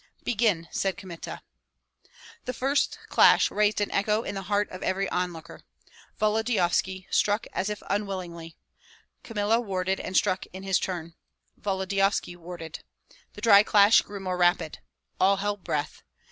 "Begin!" said Kmita. The first clash raised an echo in the heart of every onlooker. Volodyovski struck as if unwillingly; Kmita warded and struck in his turn; Volodyovski warded. The dry clash grew more rapid. All held breath.